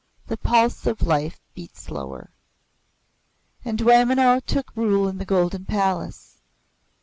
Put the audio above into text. The pulse of life beat slower. And Dwaymenau took rule in the Golden Palace.